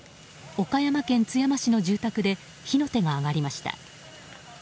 岡山県津山市の住宅で火の手が上がりました。